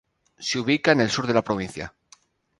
Se ubica en el sur de la provincia.